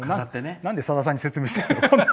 なんで、さださんに説明してるんだ。